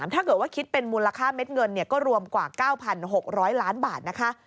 ถ้าเกิดว่าคิดเป็นมูลค่าเม็ดเงินก็รวมกว่า๙๖๐๐ล้านบาทนะคะ